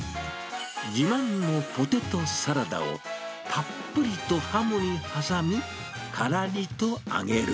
自慢のポテトサラダをたっぷりとハムに挟み、からりと揚げる。